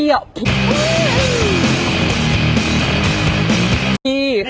ทีวมาก